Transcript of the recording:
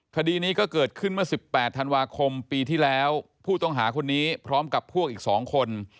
คดีนี้ก็เกิดขึ้นเมื่อ๑๘ธันวาคมปีที่แล้วผู้ต้องหาคนนี้พร้อมกับพวกอีก๒คน